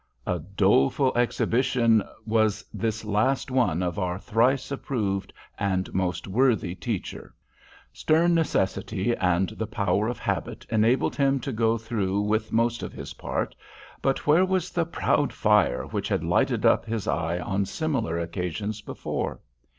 A doleful exhibition was this last one of our thrice approved and most worthy teacher! Stern necessity and the power of habit enabled him to go through with most of his part, but where was the proud fire which had lighted up his eye on similar occasions before?